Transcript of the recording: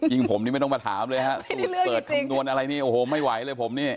ผมนี่ไม่ต้องมาถามเลยฮะสูตรเปิดคำนวณอะไรนี่โอ้โหไม่ไหวเลยผมนี่